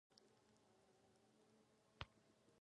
هره مفکوره له ذهنه راټوکېږي.